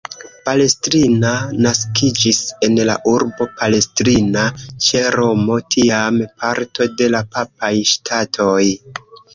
Palestrina naskiĝis en la urbo Palestrina, ĉe Romo, tiam parto de la Papaj Ŝtatoj.